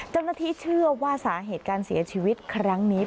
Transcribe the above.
เจ้าหน้าที่เชื่อว่าสาเหตุการเสียชีวิตครั้งนี้